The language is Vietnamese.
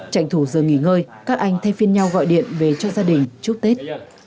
tranh thủ giờ nghỉ ngơi các anh thay phiên nhau gọi điện về cho gia đình chúc tết